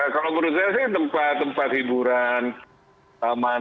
kalau menurut saya sih tempat tempat hiburan taman